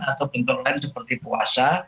atau benturan lain seperti puasa